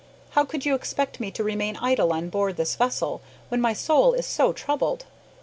How could you expect me to remain idle on board this vessel, when my soul is so troubled?